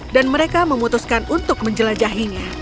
dan mereka memutuskan untuk menjelajahinya